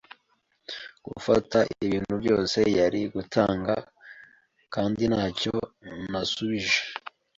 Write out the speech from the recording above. gufata ibintu byose yari gutanga kandi ntacyo nasubije